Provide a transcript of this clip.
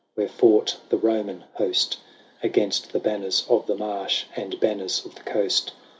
Where fought the Roman host. Against the banners of the marsh And banners of the coast.